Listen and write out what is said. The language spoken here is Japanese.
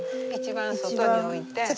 一番外に置いて。